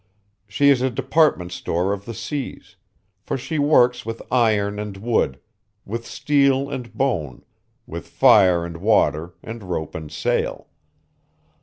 She is a department store of the seas; for she works with iron and wood, with steel and bone, with fire and water and rope and sail.